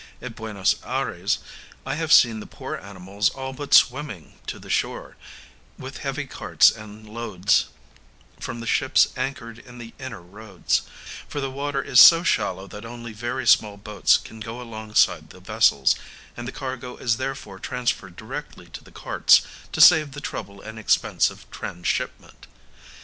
At Buenos Ayres I have seen the poor animals all but swimming to the shore, with heavy carts and loads, from the ships anchored in the inner roads; for the water is so shallow that only very small boats can go alongside the vessels, and the cargo is therefore transferred directly to the carts to save the trouble and expense of transshipment.